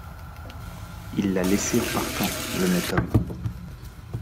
Il l’a laissée en partant, l’honnête homme !…